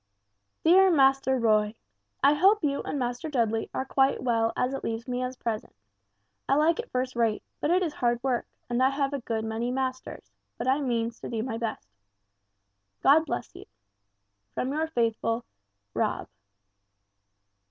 "DEAR MASTER ROY: "I hope you and Master Dudley are quite well as it leaves me at present. I like it first rate, but it is hard work, and I have a good many masters, but I means to do my best. God bless you. "From your faithful "ROB."